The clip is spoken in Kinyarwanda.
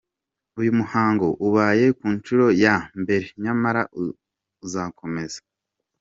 Uyu muhango ubaye ku ncuro ya mbere nyamara uzakomeza.